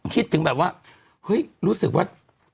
คิดถึงแบบว่าเฮ้ยรู้สึกว่า